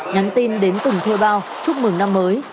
nhắn tin đến từng thuê bao chúc mừng năm mới